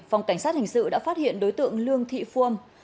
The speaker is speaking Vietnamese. phòng cảnh sát thành sự đã phát hiện đối tượng lương thị phuâm